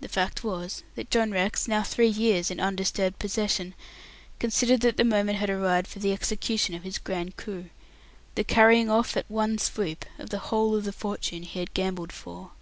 The fact was that John Rex, now three years in undisturbed possession, considered that the moment had arrived for the execution of his grand coup the carrying off at one swoop of the whole of the fortune he had gambled for.